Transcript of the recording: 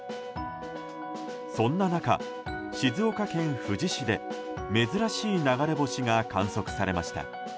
そんな中、静岡県富士市で珍しい流れ星が観測されました。